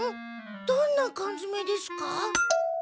どんな缶づめですか？